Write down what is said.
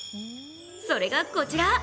それがこちら。